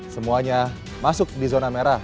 semuanya masuk di zona merah